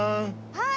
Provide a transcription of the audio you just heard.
はい！